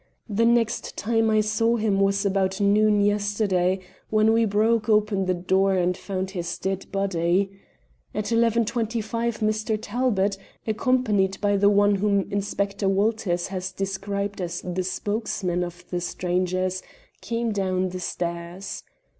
The next time I saw him was about noon yesterday, when we broke open the door, and found his dead body. At 11.25, Mr. Talbot, accompanied by the one whom Inspector Walters has described as the spokesman of the strangers, came down the stairs.